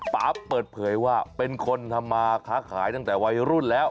ป๊าเปิดเผยว่าเป็นคนทำมาค้าขายตั้งแต่วัยรุ่นแล้ว